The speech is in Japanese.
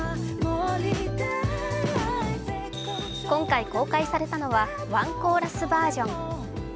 今回公開されたのはワンコーラスバージョン。